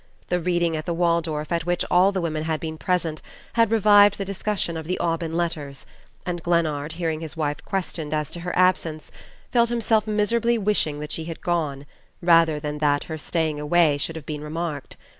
The reading at the Waldorf, at which all the women had been present, had revived the discussion of the "Aubyn Letters" and Glennard, hearing his wife questioned as to her absence, felt himself miserably wishing that she had gone, rather than that her staying away should have been remarked.